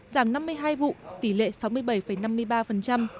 giảm năm mươi hai vụ tỷ lệ sáu mươi bảy năm mươi ba